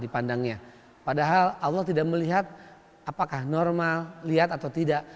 padahal allah tidak melihat apakah normal lihat atau tidak